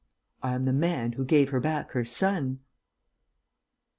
"I am the man who gave her back her son!"